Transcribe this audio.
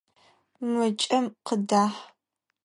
Мыкӏэ къыдахь!